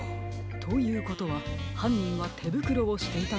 ということははんにんはてぶくろをしていたのかもしれませんね。